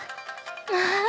まあ！